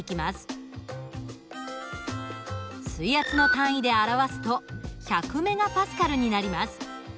水圧の単位で表すと１００ＭＰａになります。